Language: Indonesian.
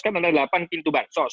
kan ada delapan pintu bansos